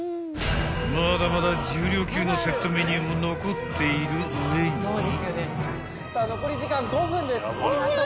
［まだまだ重量級のセットメニューも残っている上に］